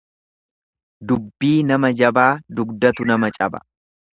Dubbii nama jabaa dugdatu nama caba.